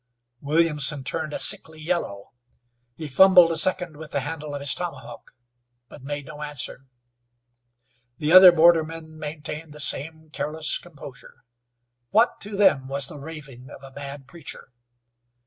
Williamson turned a sickly yellow; he fumbled a second with the handle of his tomahawk, but made no answer. The other bordermen maintained the same careless composure. What to them was the raving of a mad preacher?